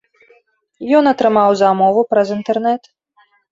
Ён атрымаў замову праз інтэрнэт.